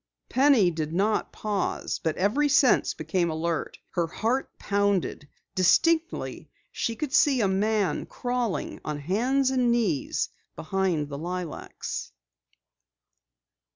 Penny did not pause, but every sense became alert. Her heart pounded. Distinctly she could see a man crawling on hands and knees behind the lilacs.